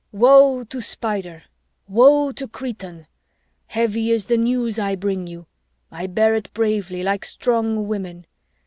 "Woe to Spider! Woe to Cretan! Heavy is the news I bring you. Bear it bravely, like strong women.